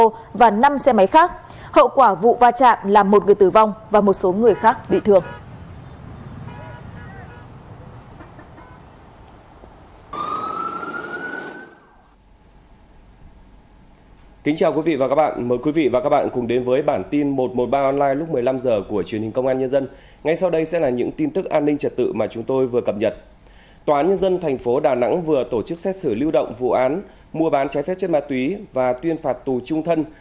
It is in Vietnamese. trong xe máy khác hậu quả vụ va chạm là một người tử vong và một số người khác bị thương